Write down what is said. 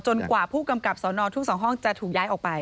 กว่าผู้กำกับสนทุ่ง๒ห้องจะถูกย้ายออกไป